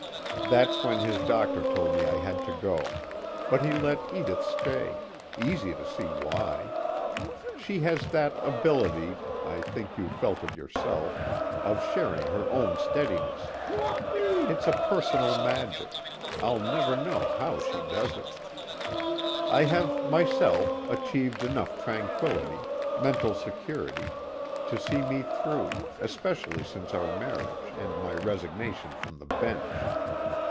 That's when his doctor told me I had to go, but he let Edith stay, easy to see why. She has that ability I think you've felt it yourself of sharing her own steadiness. It's a personal magic I'll never know how she does it. I have, myself, achieved enough tranquillity, mental security, to see me through, especially since our marriage and my resignation from the bench.